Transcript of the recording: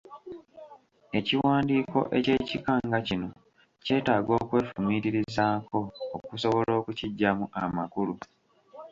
Ekiwandiiko eky’ekika nga kino kyetaaga okwefumiitirizaako okusobola okukiggyamu amakulu.